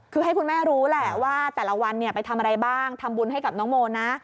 คือให้คุณแม่รู้แหละว่าแต่ละวันไปทำอะไรบ้างทำบุญให้กับน้องโมนะ